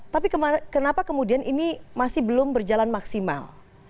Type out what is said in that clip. tapi kenapa kemudian ini masih belum berjalan maksimal